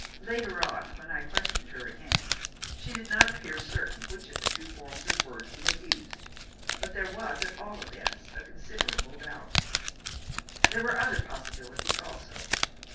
Later on, when I questioned her again, she did not appear certain which of the two forms of words he had used; but there was, at all events, a considerable doubt. There were other possibilities also.